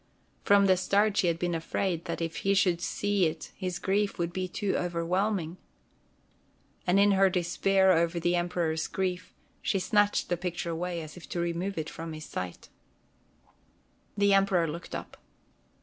From the start she had been afraid that if he should see it his grief would be too overwhelming. And in her despair over the Emperor's grief, she snatched the picture away, as if to remove it from his sight. Then the Emperor looked up.